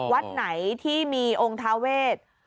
วัดไหนที่มีองค์ทาเวท